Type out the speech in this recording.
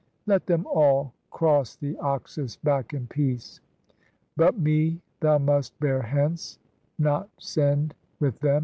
Let them all cross the Oxus back in peace. But me thou must bear hence, not send with them.